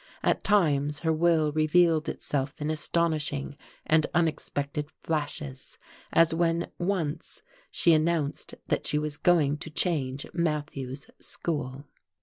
At times her will revealed itself in astonishing and unexpected flashes, as when once she announced that she was going to change Matthew's school.